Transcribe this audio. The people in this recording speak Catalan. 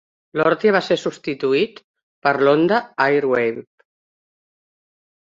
L'Orthia va ser substituït per l'Honda Airwave.